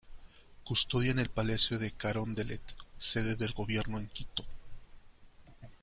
Custodian el Palacio de Carondelet, sede del Gobierno en Quito.